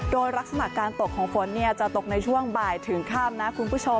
โดยลักษณะการตกของฝนจะตกในช่วงบ่ายถึงข้ามนะคุณผู้ชม